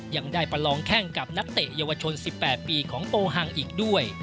ยังได้ประลองแข้งกับนักเตะเยาวชน๑๘ปีของโปฮังอีกด้วย